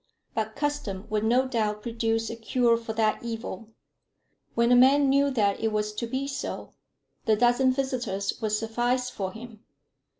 But custom would no doubt produce a cure for that evil. When a man knew that it was to be so, the dozen visitors would suffice for him.